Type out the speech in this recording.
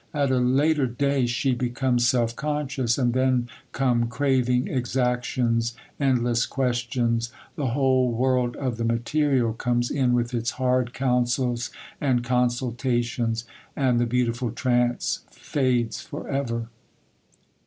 At a later day she becomes self conscious, and then come craving exactions, endless questions,—the whole world of the material comes in with its hard counsels and consultations, and the beautiful trance fades for ever.